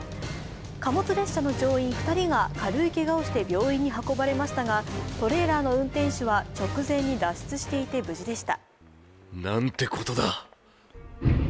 貨物列車の乗員２人が軽いけがをして病院に運ばれましたがトレーラーの運転手は直前に脱出していて無事でした。